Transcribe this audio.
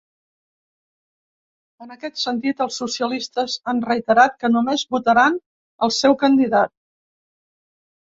En aquest sentit, els socialistes han reiterat que només votaran al seu candidat.